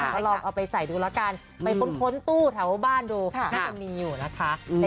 ก็ลองเอาไปใส่ดูแล้วกันไปค้นตู้แถวบ้านดูที่มันมีอยู่นะคะ